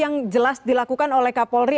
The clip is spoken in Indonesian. yang jelas dilakukan oleh kapolri